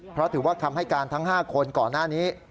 เพราะถือว่าคำให้การทั้ง๕คนก่อนหน้านี้